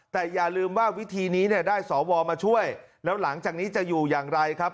แต่อย่าลืมว่าวิธีนี้เนี่ยได้สวมาช่วยแล้วหลังจากนี้จะอยู่อย่างไรครับ